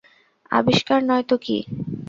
আবিষ্কার নয় তো কী।